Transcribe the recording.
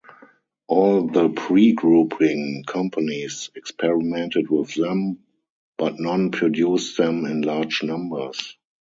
All the pre-grouping companies experimented with them, but none produced them in large numbers.